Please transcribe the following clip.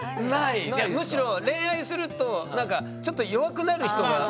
むしろ恋愛するとなんかちょっと弱くなる人が多いよね。